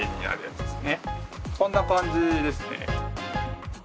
こんな感じですね。